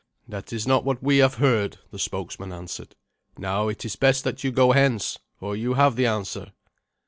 "That is not what we have heard," the spokesman answered. "Now it is best that you go hence, for you have the answer."